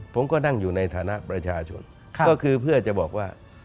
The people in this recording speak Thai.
ผมก็นั่งอยู่ในฐานะประชาชนก็คือเพื่อจะบอกว่า